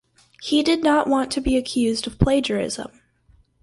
He did not want to be accused of plagiarism.